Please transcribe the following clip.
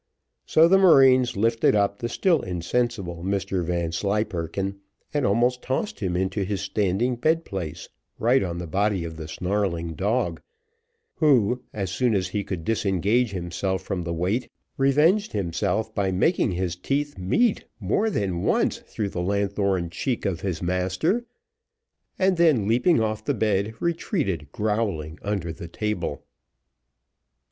So the marines lifted up the still insensible Mr Vanslyperken, and almost tossed him into his standing bed place, right on the body of the snarling dog, who, as soon as he could disengage himself from the weight, revenged himself by making his teeth meet more than once through the lanthorn cheek of his master, and then leaping off the bed, retreated growling under the table.